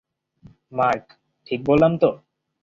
Mark, ঠিক বললাম তো?